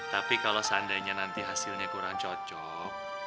tapi kalau seandainya nanti hasilnya kurang cocok